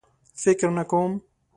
فکر نه کوم.